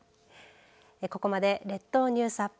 ここまで列島ニュースアップ